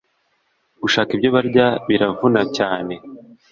Gushaka ibyo barya birabavuna cyane